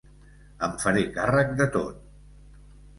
Em faré càrrec de tot.